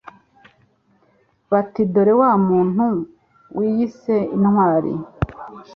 bati Dore wa muntu wiyise intwari